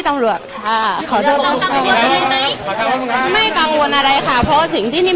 ออกข้างหน่อยครับอยู่ที่นั้น